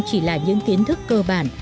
chỉ là những kiến thức cơ bản